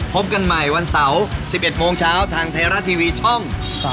พบกันใหม่วันเสาร์๑๑โมงเช้าทางไทยรัฐทีวีช่อง๓๒